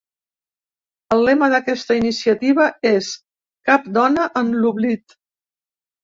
El lema d’aquesta iniciativa és ‘Cap dona en l’oblit’.